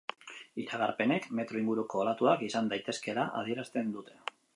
Iragarpenek metro inguruko olatuak izan daitezkeela adierazten dute.